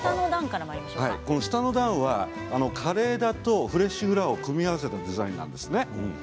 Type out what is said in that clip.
下の段は枯れ枝とフレッシュフラワーを組み合わせたデザインなんですね。